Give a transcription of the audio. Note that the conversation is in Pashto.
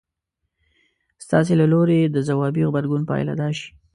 ستاسې له لوري د ځوابي غبرګون پايله دا شي.